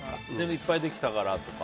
いっぱいできたからとか。